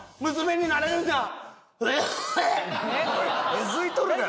えずいとるがな。